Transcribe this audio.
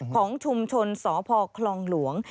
ของชุมชนสพคลองหลวง